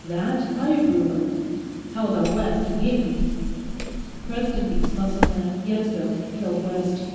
"That I approve of. How about West and Yingling?" "Prestonby's muscle man, Yetsko, killed West.